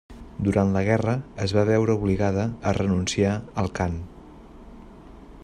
Durant la guerra es va veure obligada a renunciar al cant.